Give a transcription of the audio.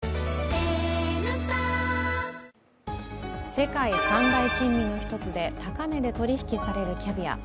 世界三大珍味の一つで高値で取引されるキャビア。